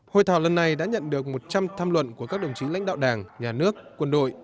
hội thảo lần này đã nhận được một trăm linh tham luận của các đồng chí lãnh đạo đảng nhà nước quân đội